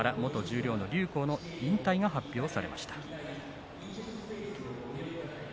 残念ながら元十両の竜虎の引退が発表されました。